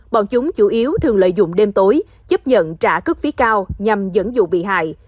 bọn chúng chủ yếu thường lợi dụng đêm tối chấp nhận trả cước phí cao nhằm dẫn dụ bị hại